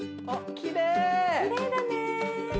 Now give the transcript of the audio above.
きれいだね。